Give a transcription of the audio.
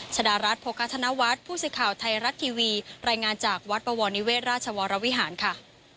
ชดารัฐโภคธนวัฒน์ผู้สื่อข่าวไทยรัฐทีวีรายงานจากวัดบวรนิเวศราชวรวิหารค่ะ